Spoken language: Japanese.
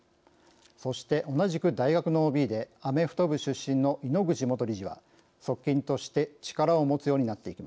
そして同じく大学のＯＢでアメフト部出身の井ノ口元理事は側近として力を持つようになっていきました。